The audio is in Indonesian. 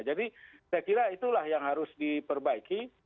jadi saya kira itulah yang harus diperbaiki